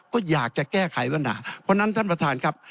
ก็อยากจะแก้ไขปัญหาเพราะฉะนั้นท่านประธานครับ